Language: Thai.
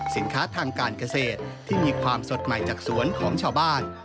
สินค้าทางการเกษตรที่มีความสดใหม่จากสวนของชาวบ้าน